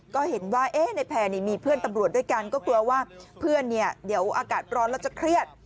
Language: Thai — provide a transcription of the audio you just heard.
ก็เห็นว่าในแพร่นี่มีเพื่อนตำรวจด้วยกันก็กลัวว่าเพื่อนเนี่ยเดี๋ยวอากาศร้อนแล้วจะเครียด